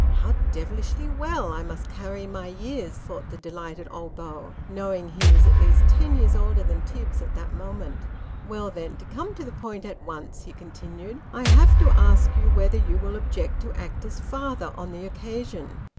" How devilish well I must carry my years !" thought the delighted 216 Sketches by Bos. old beau, knowing he was at least ten years older than Tibbs at that moment. " Well, then, to come to the point at once," he continued, " I. havo to ask you whether you will object to act as father on the occasion